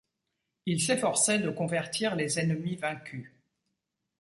Il s'efforçait de convertir les ennemis vaincus.